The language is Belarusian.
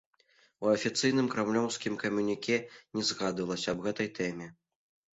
У афіцыйным крамлёўскім камюніке не згадвалася аб гэтай тэме.